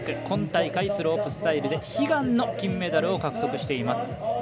今大会、スロープスタイルで悲願の金メダルを獲得しています。